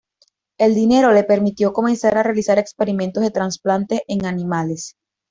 El dinero le permitió comenzar a realizar experimentos de trasplantes en animales.